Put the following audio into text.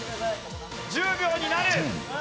１０秒になる。